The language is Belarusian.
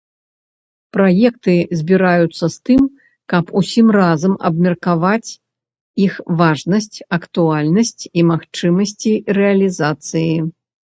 Праекты збіраюцца з тым, каб усім разам абмеркаваць іх важнасць, актуальнасць і магчымасці рэалізацыі.